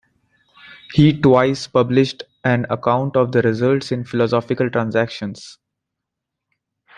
He twice published an account of the results in Philosophical Transactions.